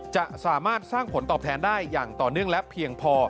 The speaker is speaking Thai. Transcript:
จะสามารถสร้างผลตอบแทนได้อย่างต่อเนื่องและเพียงพอ